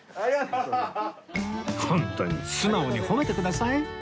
本当に素直に褒めてください